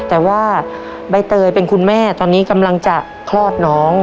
แต่ว่าใบเตยเป็นคุณแม่ตอนนี้กำลังจะคลอดน้อง